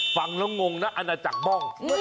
ฟังแล้วงงนะอาณาจักรบ้อง